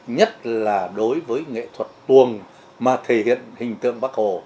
nhất là đối với nghệ thuật tuồng mà thể hiện hình tượng bắc hồ